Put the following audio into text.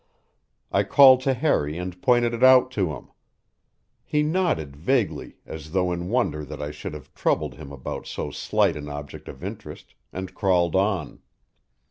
I called to Harry and pointed it out to him. He nodded vaguely, as though in wonder that I should have troubled him about so slight an object of interest, and crawled on.